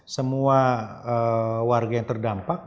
semua warga yang terdampak